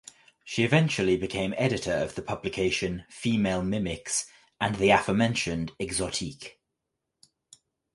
She eventually became editor of the publication "Female Mimics" and the aforementioned "Exotique".